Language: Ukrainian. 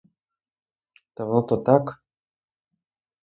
Та воно то так.